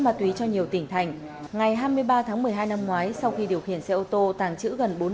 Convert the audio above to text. ma túy cho nhiều tỉnh thành ngày hai mươi ba tháng một mươi hai năm ngoái sau khi điều khiển xe ô tô tàng trữ gần bốn mươi